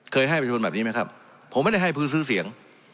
ให้ประชาชนแบบนี้ไหมครับผมไม่ได้ให้พื้นซื้อเสียง